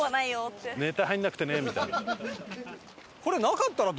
「ネタ入んなくてね」みたいな。